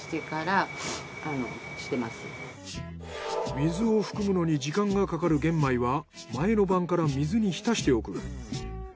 水を含むのに時間がかかる玄米は前の晩から水に浸しておく。